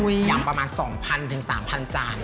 ยำประมาณ๒๐๐๓๐๐จาน